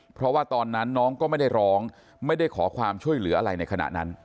เพราะว่าตอนนั้นน้องก็ไม่ได้ร้องไม่ได้ขอความช่วยเหลืออะไรในขณะนั้น